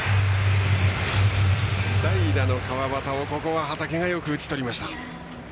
代打の川端をここはよく畠が打ち取りました。